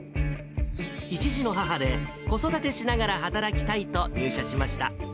１児の母で、子育てしながら働きたいと入社しました。